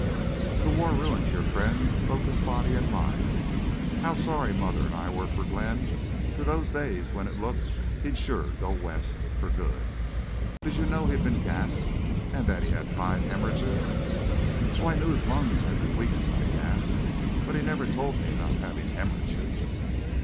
The war ruined your friend—both his body and mind.... How sorry mother and I were for Glenn, those days when it looked he'd sure 'go west,' for good!... Did you know he'd been gassed and that he had five hemorrhages?" "Oh! I knew his lungs had been weakened by gas. But he never told me about having hemorrhages."